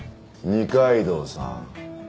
二階堂さん。